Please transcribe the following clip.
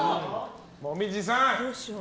紅葉さん！